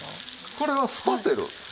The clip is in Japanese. これはスパテル。